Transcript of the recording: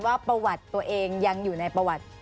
ว่าประวัติตัวเองยังอยู่ในประวัติ